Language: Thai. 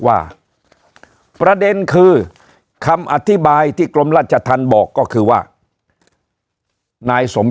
ว่าประเด็นคือคำอธิบายที่กรมราชธรรมบอกก็คือว่านายสม